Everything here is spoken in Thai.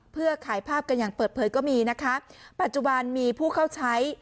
เพื่อขายภาพกันอย่างเปิดเผยก็มีนะคะปัจจุบันมีผู้เข้าใช้